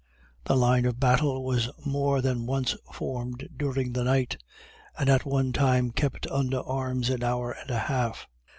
The line of battle was more than once formed during the night, and at one time kept under arms an hour and a half.